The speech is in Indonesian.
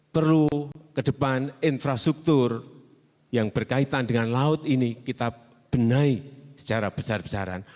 perlu ke depan infrastruktur yang berkaitan dengan laut ini kita benahi secara besar besaran